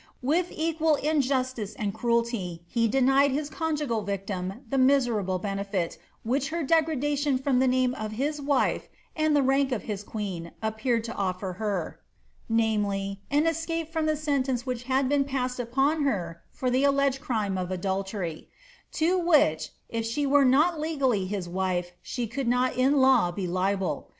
With equal injustice and cruelty, he denied his conjugal victim the miserable benefit, which her degradation from the name of his wife and the rank of his queen ap peared to ofibr her, namely, an escape from the sentence which had been passed upon her for the alleged crime of adultery ; to which* if she were not legally his wife, she could not in law be liable.